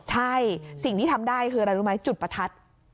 ใช่สิ่งที่ทำได้คืออะไรรู้ไหมจุดประทัด